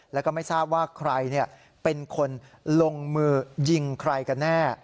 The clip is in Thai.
แล้วก็ไม่ทราบว่าใครเป็นคนลงมือยิงใครกันแน่